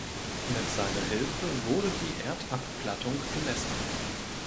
Mit seiner Hilfe wurde die Erdabplattung vermessen.